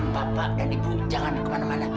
bapak dan ibu jangan kemana mana